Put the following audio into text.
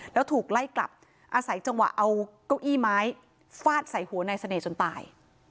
แล้วถูกไล่กลับอาศัยจังหวะเอาเก้าอี้ไม้ฟาดใส่หัวนายเสน่ห์จนตาย